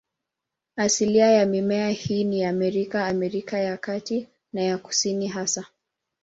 Asilia ya mimea hii ni Amerika, Amerika ya Kati na ya Kusini hasa.